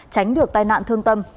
tránh được tai nạn thương tâm